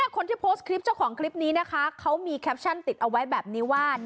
คนที่โพสต์คลิปเจ้าของคลิปนี้นะคะเขามีแคปชั่นติดเอาไว้แบบนี้ว่า